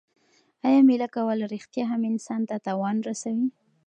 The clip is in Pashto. آیا مېله کول رښتیا هم انسان ته تاوان رسوي؟